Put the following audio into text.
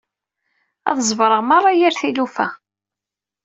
Ad ẓebreɣ merra yir tilufa.